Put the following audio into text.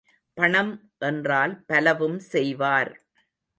பணம் என்றால் பலவும் செய்வார்.